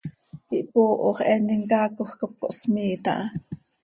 Ihpooho x, eenim caacoj cop cohsmiiit aha.